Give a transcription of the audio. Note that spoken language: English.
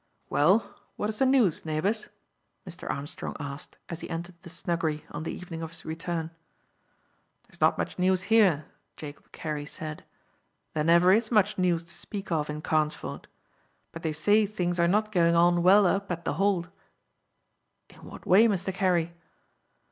"Well, what is the news, neighbours?" Mr. Armstrong asked, as he entered the snuggery on the evening of his return. "There is not much news here," Jacob Carey said; "there never is much news to speak of in Carnesford; but they say things are not going on well up at The Hold." "In what way, Mr. Carey?"